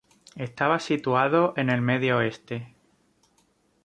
Estaba situado en el Medio Oeste.